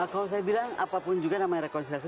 kalau saya bilang apapun juga namanya rekonsiliasi